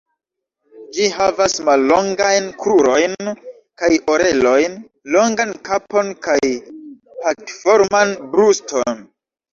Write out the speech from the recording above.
Ĝi havas mallongajn krurojn kaj orelojn, longan kapon kaj p,atforman bruston.